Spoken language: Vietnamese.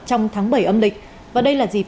trong tháng bảy âm lịch và đây là dịp